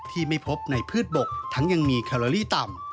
ที่ไม่พบในพืชบกทั้งยังมีแคลอรี่ต่ำ